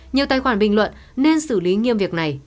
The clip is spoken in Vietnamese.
nhiều tài khoản bình luận nên xử lý nghiêm việc này